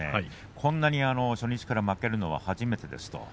こんなに初日から負けるのは初めてですと。